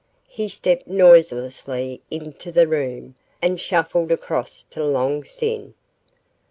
He stepped noiselessly into the room and shuffled across to Long Sin.